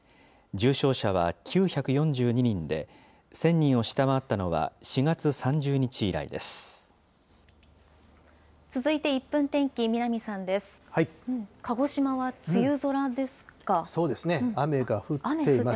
重症者は９４２人で、１０００人を下回ったのは４月３０日以来です。